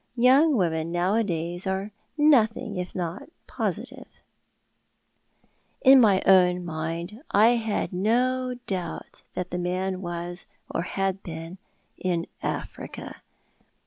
" Young women nowadays are nothing if not positive." s 258 Thoit. art the Man. In my own mind I had no doubt tliat the man was, or had been, in Africa.